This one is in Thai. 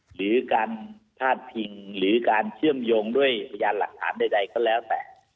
หรือการพาดพิงหรือการเชื่อมโยงด้วยพยานหลักฐานใดก็แล้วแต่